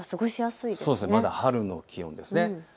まだ春の気温です。